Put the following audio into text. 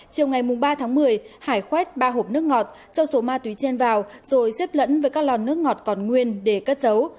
chiều ngày ba tháng một mươi hải khoét ba hộp nước ngọt cho số ma túy trên vào rồi xếp lẫn với các lò nước ngọt còn nguyên để cất dấu